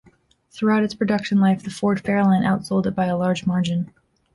Throughout its production life the Ford Fairlane outsold it by a large margin.